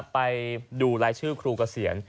ไปดูรายชื่อครูเกษียณ